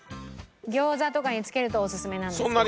餃子とかにつけるとオススメなんですけど。